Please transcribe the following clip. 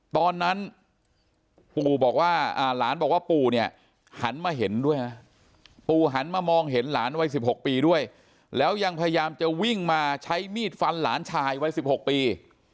ตอนนั้นปู่บอกว่าหลานบอกว่าปู่เนี่ยหันมาเห็นด้วยนะปู่หันมามองเห็นหลานวัย๑๖ปีด้วยแล้วยังพยายามจะวิ่งมาใช้มีดฟันหลานชายวัย๑๖ปี